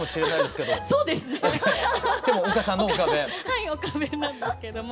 はい丘弁なんですけれども。